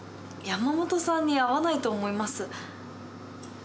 山本さんに合わないと思います。